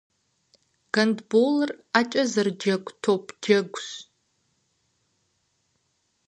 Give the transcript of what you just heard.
Гандболыр ӏэкӏэ зэрыджэгу топ джэгущ.